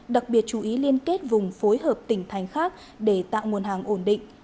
đặc biệt chú ý liên kết vùng phối hợp tỉnh thành khác để tạo nguồn hàng ổn định